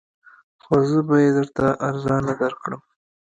خو زه به یې درته ارزانه درکړم